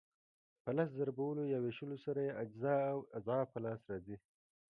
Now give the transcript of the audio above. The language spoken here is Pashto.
په لس ضربولو یا وېشلو سره یې اجزا او اضعاف په لاس راځي.